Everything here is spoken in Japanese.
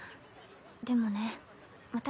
でもね私